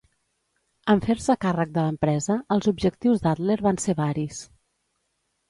En fer-se càrrec de l'empresa, els objectius d'Adler van ser varis.